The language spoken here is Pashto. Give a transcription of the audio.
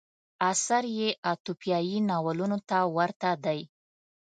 اثر یې اتوپیایي ناولونو ته ورته دی.